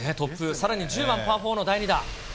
さらに１０番パー４の第２打。